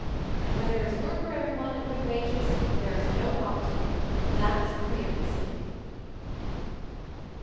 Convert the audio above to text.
And where there is work for everyone, at good wages, there is no poverty; that's clearly seen."